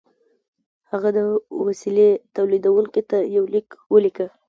هغه د وسیلې تولیدوونکي ته یو لیک ولیکه